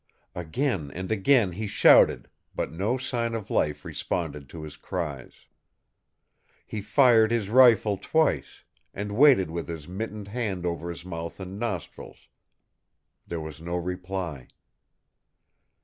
Again and again he shouted, but no sign of life responded to his cries. He fired his rifle twice, and waited with his mittened hand over his mouth and nostrils. There was no reply.